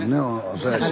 そうやし。